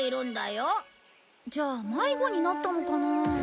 じゃあ迷子になったのかな？